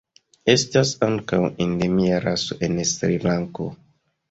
Estas ankaŭ endemia raso en Srilanko.